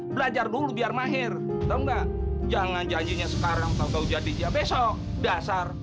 belajar dulu biar mahir tau nggak jangan janjinya sekarang kau jadi dia besok dasar